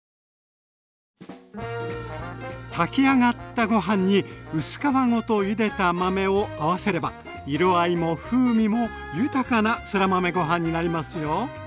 炊き上がったご飯に薄皮ごと茹でた豆を合わせれば色合いも風味も豊かなそら豆ご飯になりますよ。